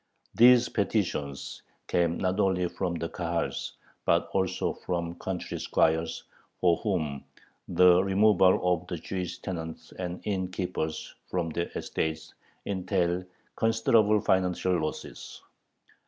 These petitions came not only from the Kahals but also from country squires, for whom the removal of the Jewish tenants and innkepeers from their estates entailed considerable financial losses.